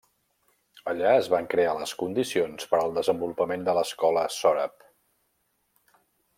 Allà es van crear les condicions per al desenvolupament de l'escola sòrab.